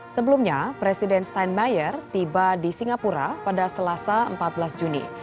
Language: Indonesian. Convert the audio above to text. sebelumnya presiden steinmeyer tiba di singapura pada selasa empat belas juni